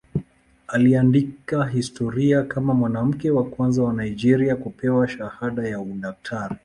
Aliandika historia kama mwanamke wa kwanza wa Nigeria kupewa shahada ya udaktari.